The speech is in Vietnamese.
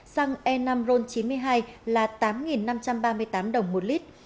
xăng e năm ron chín mươi hai là tám năm trăm ba mươi tám đồng một lít